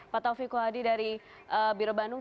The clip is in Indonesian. pak taufik kohadi dari biro bandung